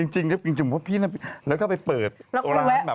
จริงพวกพี่แล้วก็ไปเปิดร้านแบบ